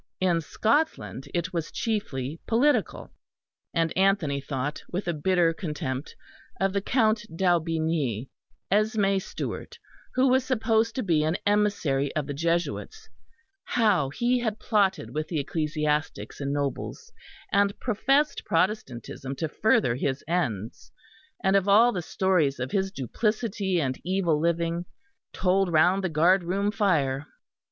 In Scotland it was chiefly political, and Anthony thought, with a bitter contempt, of the Count d'Aubigny, Esmé Stuart, who was supposed to be an emissary of the Jesuits; how he had plotted with ecclesiastics and nobles, and professed Protestantism to further his ends; and of all the stories of his duplicity and evil living, told round the guard room fire.